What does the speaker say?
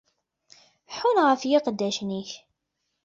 Ḥunn ɣef yiqeddacen-ik!